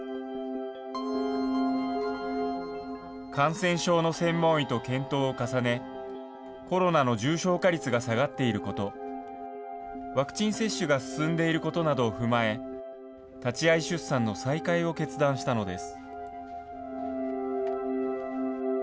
感染症の専門医と検討を重ね、コロナの重症化率が下がっていること、ワクチン接種が進んでいることなどを踏まえ、立ち会い出産の再開を決断したのです。